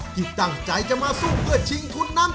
ที่ตั้งใจจะมาสู้เพื่อชิงทุนน้ำ